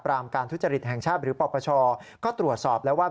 การทุจริตแห่งชาติหรือปปชก็ตรวจสอบแล้วว่า